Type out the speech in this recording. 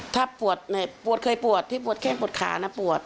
ถ้าปวดปวดเคยปวดที่ปวดแข้งปวดขานะปวด